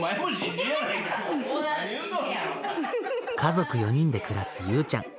家族４人で暮らすゆうちゃん。